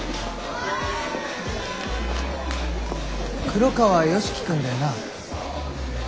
黒川良樹くんだよな？